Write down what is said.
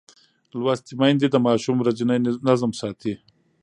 لوستې میندې د ماشوم ورځنی نظم ساتي.